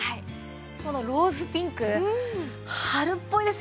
このローズピンク春っぽいですよね！